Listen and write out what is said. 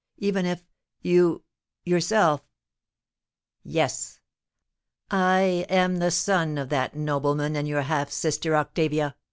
—even if——you, yourself——" "Yes—I am the son of that nobleman and your half sister Octavia!"